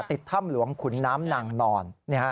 ติดถ้ำหลวงขุนน้ำนางนอน